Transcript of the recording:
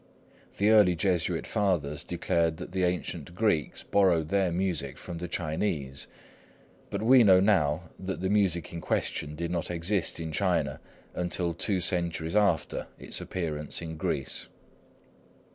The early Jesuit fathers declared that the ancient Greeks borrowed their music from the Chinese; but we know now that the music in question did not exist in China until two centuries after its appearance in Greece.